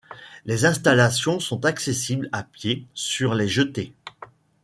Les installations sont accessibles à pied sur les jetées.